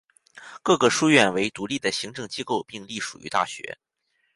各个书院为独立的行政机构并隶属于大学。